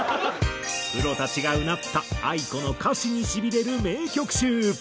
プロたちがうなったａｉｋｏの歌詞にしびれる名曲集。